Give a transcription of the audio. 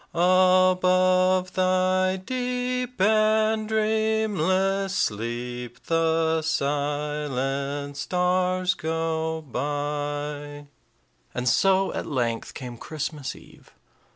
Above thy deep and dreamless sleep The silent stars go by." And so at length came Christmas eve.